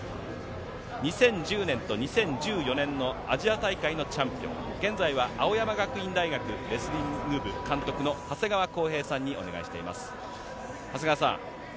２０１０年と２０１４年のアジア大会のチャンピオン、現在は青山学院大学レスリング部監督の長谷川恒平さんにお願いしています。